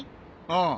ああ。